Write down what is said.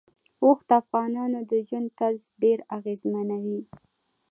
اوښ د افغانانو د ژوند طرز ډېر اغېزمنوي.